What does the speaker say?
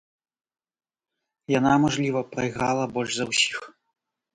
Яна, мажліва, прайграла больш за ўсіх.